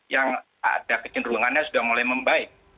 yang ada kecenderungannya sudah mulai membaik